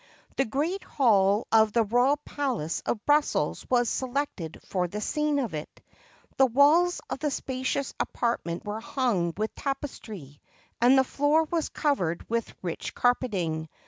The great hall of the royal palace of Brussels was selected for the scene of it. The walls of the spacious apartment were hung with tapestry, and the floor was covered with rich carpeting.